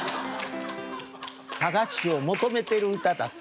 佐賀市を求めてる歌だった。